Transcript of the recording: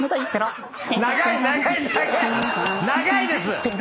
長いです！